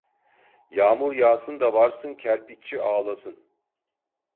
Yağmur yağsın da varsın kerpiççi ağlasın.